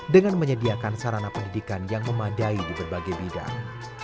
dengan menyediakan sarana pendidikan yang memadai di berbagai bidang